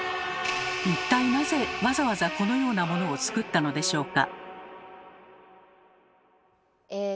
一体なぜわざわざこのようなモノを作ったのでしょうか？